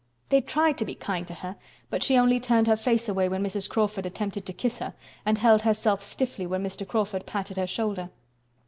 They tried to be kind to her, but she only turned her face away when Mrs. Crawford attempted to kiss her, and held herself stiffly when Mr. Crawford patted her shoulder.